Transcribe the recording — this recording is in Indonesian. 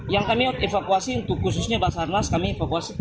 yang kami evakuasi untuk khususnya basah hernas kami evakuasi tiga belas jenazah